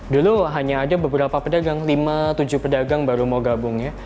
dulu hanya ada beberapa pedagang lima tujuh pedagang baru mau gabung ya